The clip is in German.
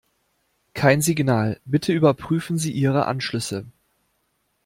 Kein Signal. Bitte überprüfen Sie Ihre Anschlüsse.